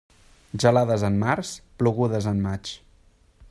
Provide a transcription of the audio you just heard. Gelades en març, plogudes en maig.